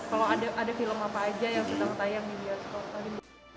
kalau ada film apa aja yang sedang tayang di bioskop